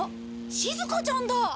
しずかちゃんだ。